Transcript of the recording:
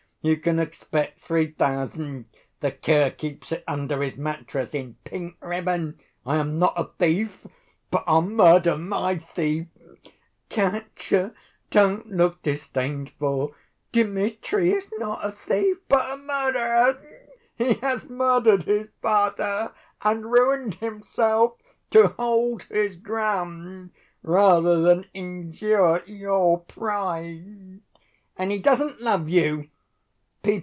You can expect three thousand. The cur keeps it under his mattress, in pink ribbon. I am not a thief, but I'll murder my thief. Katya, don't look disdainful. Dmitri is not a thief! but a murderer! He has murdered his father and ruined himself to hold his ground, rather than endure your pride. And he doesn't love you.